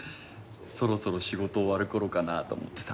そろそろ仕事終わるころかなぁと思ってさ。